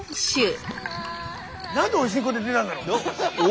何でおしんこって出たんだろう？